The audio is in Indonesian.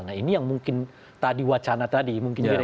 nah ini yang mungkin tadi wacana tadi mungkin jadi